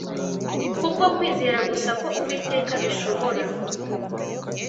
kubwo kwizera gusa ko Uwiteka abishobora